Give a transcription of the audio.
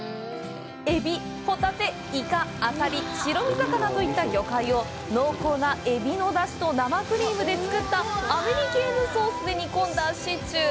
エビ、ホタテ、イカ、アサリ、白身魚といった魚介を濃厚なエビの出汁と生クリームで作ったアメリケーヌ・ソースで煮込んだシチュー。